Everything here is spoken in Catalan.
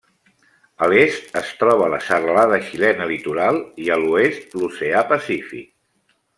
A l'est es troba la serralada xilena litoral i a l'oest l'oceà Pacífic.